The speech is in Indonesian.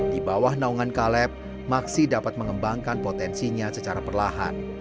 dibawah naungan kaleb maksi dapat mengembangkan potensinya secara perlahan